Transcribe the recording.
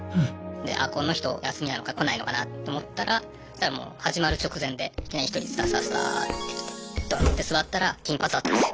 であこの人休みなのか来ないのかなと思ったらしたらもう始まる直前でいきなり１人ですたすたすたって来てどんって座ったら金髪だったんですよ。